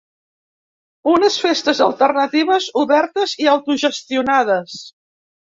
Unes festes alternatives, obertes i autogestionades.